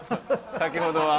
先ほどは。